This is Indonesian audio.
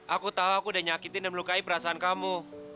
aku tahu aku udah nyakitin dan melukai perasaan kamu